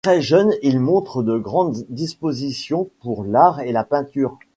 Très jeune il montre de grandes dispositions pour l'art et la peinture.